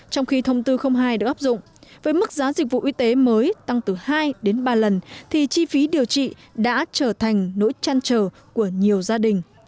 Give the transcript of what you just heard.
trong khi thông tư hai được áp dụng với mức giá dịch vụ y tế mới tăng từ hai đến ba lần thì chi phí điều trị đã trở thành nỗi trăn trở của nhiều gia đình